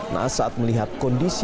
nah saat melihat kondisi